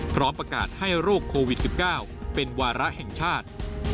พร้อมประกาศให้โรคโควิด๑๙เป็นวาระแห่งชาติ